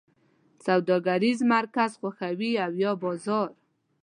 سوداګریز مرکز خوښوی او یا بازار؟